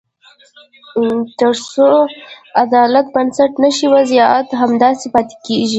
تر څو عدالت بنسټ نه شي، وضعیت همداسې پاتې کېږي.